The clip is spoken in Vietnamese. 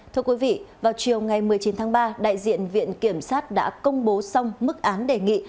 thưa quý vị vào chiều ngày một mươi chín tháng ba đại diện viện kiểm sát đã công bố xong mức án đề nghị